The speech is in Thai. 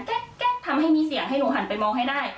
ก็ทำให้มีเสียงให้หนูหันไปมองให้ได้